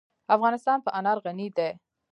افغانستان په انار غني دی.